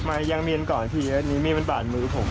ไม่ยังมีก่อนทีอันนี้มันบาดมือผม